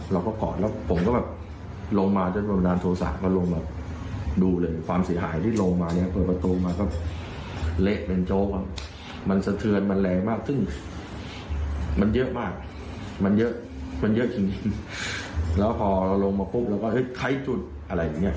แล้วพอเราลงมาปุ๊บแล้วก็เฮ้ยใครจุดอะไรอย่างนี้